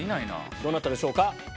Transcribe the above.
どなたでしょうか？